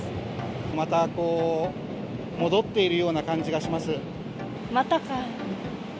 また戻っているような感じがまたか。